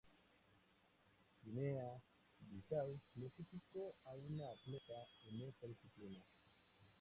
Guinea-Bisáu clasificó a una atleta en esta disciplina.